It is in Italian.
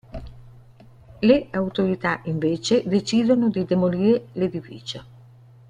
Le autorità invece decidono di demolire l'edificio.